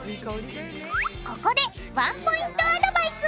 ここでワンポイントアドバイス！